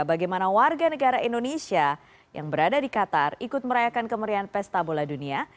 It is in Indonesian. bagaimana warga negara indonesia yang berada di qatar ikut merayakan kemerian pesta bola dunia